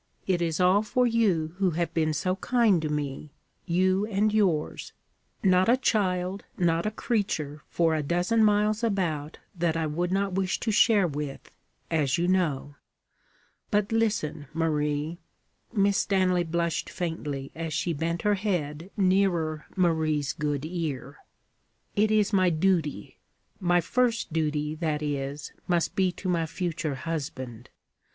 It is all for you who have been so kind to me you and yours. Not a child, not a creature, for a dozen miles about that I would not wish to share with, as you know. But listen, Marie.' Miss Stanley blushed faintly as she bent her head nearer Marie's good ear. 'It is my duty. My first duty, that is, must be to my future husband.